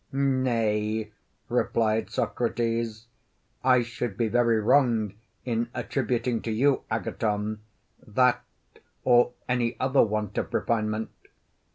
Nay, replied Socrates, I should be very wrong in attributing to you, Agathon, that or any other want of refinement.